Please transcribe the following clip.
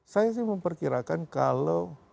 saya sih memperkirakan kalau